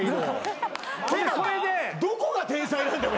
どこが天才なんだよ！